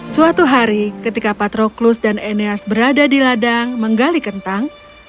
suatu hari ketika patroklus dan eneas berada di ladang menggali kentang